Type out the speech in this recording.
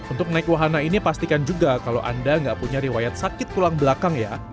untuk naik wahana ini pastikan juga kalau anda nggak punya riwayat sakit tulang belakang ya